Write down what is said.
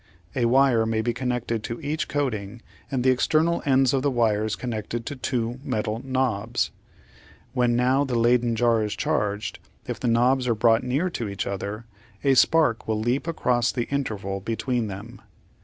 A wire may be connected to each coating and the external ends of the wires connected to two metal knobs. When now the Leyden jar is charged, if the knobs are brought near to each other, a spark will leap across the interval between them.